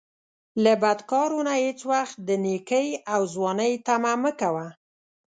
له بدکارو نه هیڅ وخت د نیکۍ او ځوانۍ طمعه مه کوه